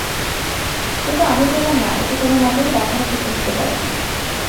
কিন্তু আমি বললাম, না, এটি কোনোমতেই বাঁধানো পুকুর হতে পারে না।